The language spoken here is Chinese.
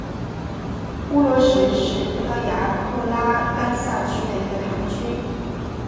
乌罗什是葡萄牙布拉干萨区的一个堂区。